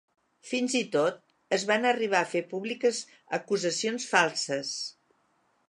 Fins i tot, es van arribar a fer públiques acusacions falses.